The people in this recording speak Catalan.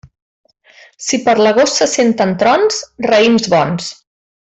Si per l'agost se senten trons, raïms bons.